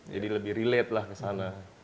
jadi lebih relate lah kesana